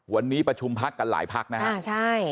วันนี้ประชุมพักกันหลายพักนะฮะใช่